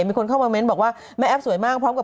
มีคนเข้ามาเม้นท์เบียบว่าแม่แอฟสวยมาก